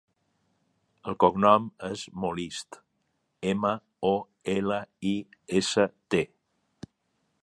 El cognom és Molist: ema, o, ela, i, essa, te.